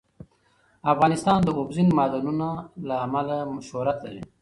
افغانستان د اوبزین معدنونه له امله شهرت لري.